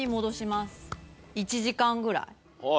１時間ぐらい。